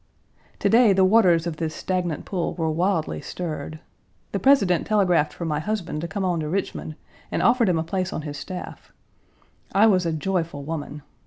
To day, the waters of this stagnant pool were wildly stirred. The President telegraphed for my husband to come on to Richmond, and offered him a place on his staff. I was a joyful woman.